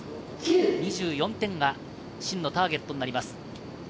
２４点がシンのターゲットになります。